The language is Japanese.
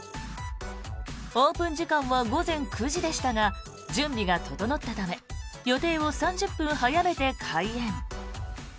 オープン時間は午前９時でしたが準備が整ったため予定を３０分早めて開園。